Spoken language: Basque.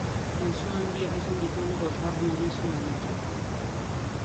Maisu handiak izan ditugu bosgarren edizio honetan.